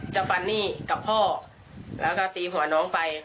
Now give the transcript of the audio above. ฟันหนี้กับพ่อแล้วก็ตีหัวน้องไป